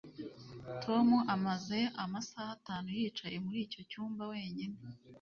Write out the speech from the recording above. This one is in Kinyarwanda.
Tom amaze amasaha atanu yicaye muri icyo cyumba wenyine